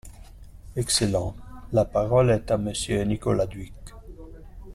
Excellent ! La parole est à Monsieur Nicolas Dhuicq.